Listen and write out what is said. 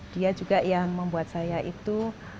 dia juga yang membuat saya itu